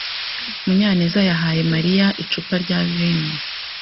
Munyaneza yahaye Mariya icupa rya vino.